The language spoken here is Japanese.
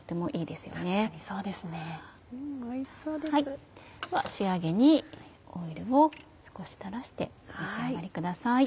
では仕上げにオイルを少し垂らしてお召し上がりください。